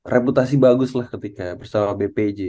reputasi bagus lah ketika bersama bpj